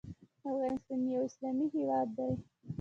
افغانستان یو اسلامي هیواد دی.